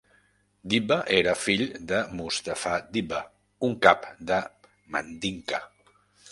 Dibba era fill de Mustapha Dibba, un cap de Mandinka.